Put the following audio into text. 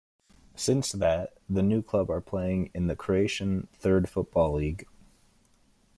Since that, the new club are playing in the Croatian Third Football League.